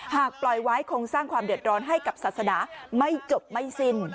หากปล่อยไว้คงสร้างความเดือดร้อนให้กับศาสนาไม่จบไม่สิ้น